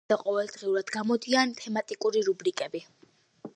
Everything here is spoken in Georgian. ამას გარდა ყოველდღიურად გამოდიან თემატიკური რუბრიკები.